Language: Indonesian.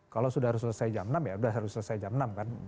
kalau sudah harus selesai jam enam ya sudah harus selesai jam enam kan